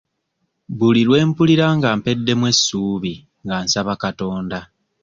Buli lwe mpulira nga mpeddemu essuubi nga nsaba Katonda.